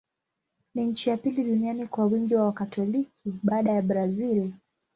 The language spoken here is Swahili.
Ni nchi ya pili duniani kwa wingi wa Wakatoliki, baada ya Brazil.